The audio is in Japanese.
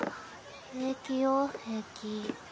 平気よ平気。